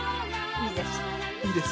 いいです？